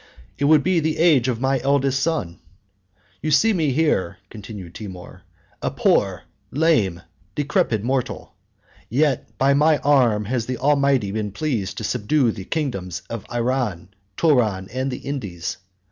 —"It would be the age of my eldest son: you see me here (continued Timour) a poor lame, decrepit mortal. Yet by my arm has the Almighty been pleased to subdue the kingdoms of Iran, Touran, and the Indies.